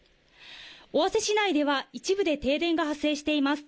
尾鷲市内では、一部で停電が発生しています。